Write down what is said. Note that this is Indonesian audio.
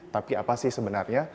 tapi apa sih sebenarnya